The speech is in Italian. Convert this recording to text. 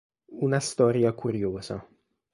Una storia curiosa".